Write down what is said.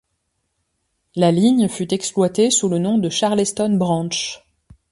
La ligne fut exploitée sous le nom de Charleston Branch.